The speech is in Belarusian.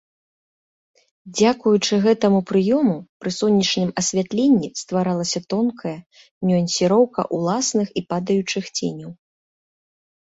Дзякуючы гэтаму прыёму, пры сонечным асвятленні стваралася тонкая нюансіроўка ўласных і падаючых ценяў.